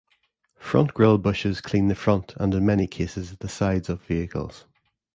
Front grill brushes clean the front, and in many cases, the sides of vehicles.